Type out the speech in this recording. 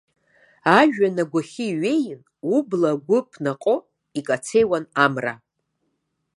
Ажәҩан агәахьы иҩеин, убла агәы ԥнаҟо икацеиуан амра.